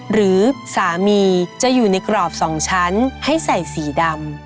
หรือสามีจะอยู่ในกรอบ๒ชั้นให้ใส่สีดำ